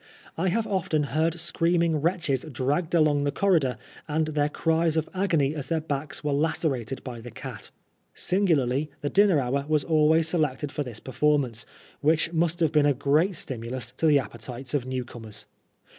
I have often heard screaming wretches dragged along thecorridor, and their cries of agony as their backs were lacerated by the cat. Singularly, the dinner hour was always selected for this performance, which must have been a ^reat stimulus to the appetites of new comers.